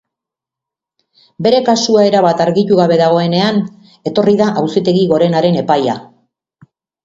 Bere kasua erabat argitu gabe dagoenean, etorri da auzitegi gorenaren epaia.